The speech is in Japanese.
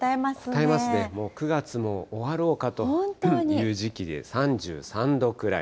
こたえますね、もう９月も終わろうかという時期で、３３度くらい。